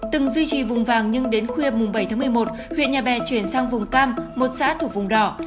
từng duy trì vùng vàng nhưng đến khuya bảy một mươi một huyện nhà bè chuyển sang vùng cam một xã thuộc vùng đỏ